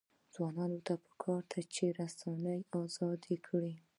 ځوانانو ته پکار ده چې، رسنۍ ازادې کړي.